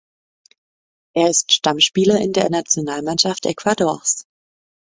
Er ist Stammspieler in der Nationalmannschaft Ecuadors.